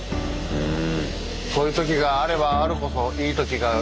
うん。